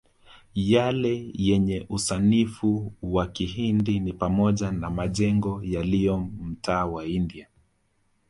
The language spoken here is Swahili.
Yale yenye usanifu wa kihindi ni pamoja na majengo yaliyo mtaa wa India